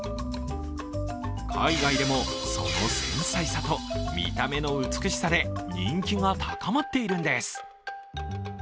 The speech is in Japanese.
海外でもその繊細さと見た目の美しさで人気が高まっているんです。